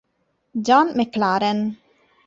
John McLaren.